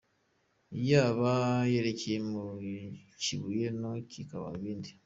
Yaba yerekeye ku Kibuye ho bikaba ibindi.